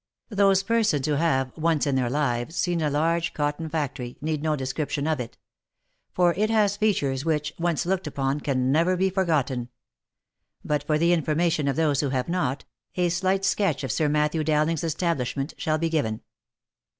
Those persons who have, once in their lives, seen a large cotton factory, need no description of it ; for it has features which, once looked upon, can never be forgotten ; but, for the information of those who have not, a slight sketch of Sir Matthew Dowling's establishment shall be given.